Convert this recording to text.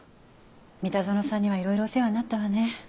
三田園さんにはいろいろお世話になったわね。